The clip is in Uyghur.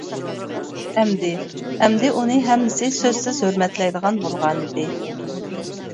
ئەمدى ئەمدى ئۇنى ھەممىسى سۆزسىز ھۆرمەتلەيدىغان بولغانىدى.